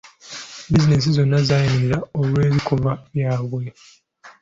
Bizinensi zonna zaayimirira olw'ebikolwa byabwe.